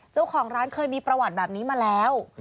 เจ้าของร้านเคยมีประวัติแบบนี้มาแล้ว